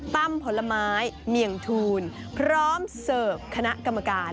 ผลไม้เหมียงทูลพร้อมเสิร์ฟคณะกรรมการ